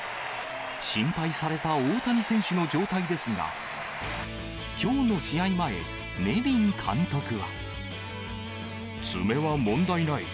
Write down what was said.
心配された大谷選手の状態ですが、きょうの試合前、爪は問題ない。